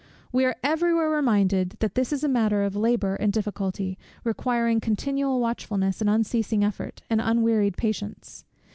We are every where reminded, that this is a matter of labour and difficulty, requiring continual watchfulness, and unceasing effort, and unwearied patience.